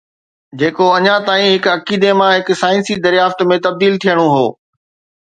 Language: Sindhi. جيڪو اڃا تائين هڪ عقيدي مان هڪ سائنسي دريافت ۾ تبديل ٿيڻو هو.